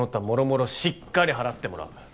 もろもろしっかり払ってもらう。